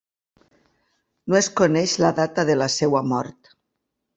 No es coneix la data de la seua mort.